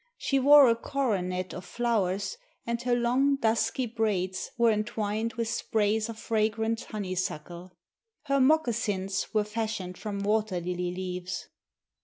She wore a coronet of flowers and her long dusky braids were entwined with sprays of fragrant honeysuckle. Her moccasins were fashioned from water lily leaves.